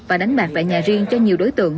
và đánh bạc tại nhà riêng cho nhiều đối tượng